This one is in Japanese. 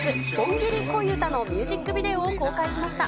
ギリ恋歌のミュージックビデオを公開しました。